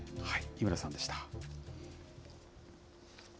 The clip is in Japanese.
井村さんでした。